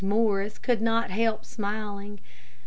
Morris could not help smiling.